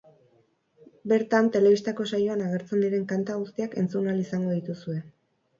Bertan, telebistako saioan agertzen diren kanta guztiak entzun ahal izango dituzue.